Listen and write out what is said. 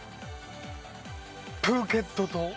プーケット島。